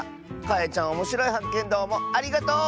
かえちゃんおもしろいはっけんどうもありがとう！